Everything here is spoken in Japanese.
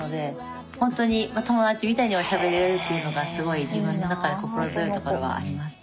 ほんとにまあ友達みたいにはしゃべれるっていうのがすごい自分の中で心強いところはあります。